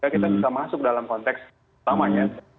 kita bisa masuk dalam konteks utamanya